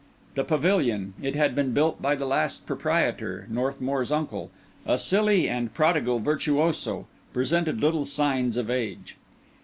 The pavilion—it had been built by the last proprietor, Northmour's uncle, a silly and prodigal virtuoso—presented little signs of age.